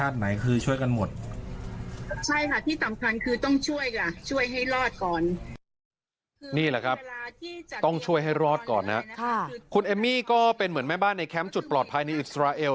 ต้องช่วยให้รอดก่อนนะคุณเอมมี่ก็เหมือนแม่บ้านในแคมป์จุดปลอดภัยในอิสราเอล